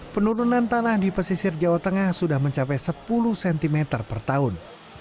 penurunan tanah di pesisir jawa tengah sudah mencapai sepuluh cm per tahun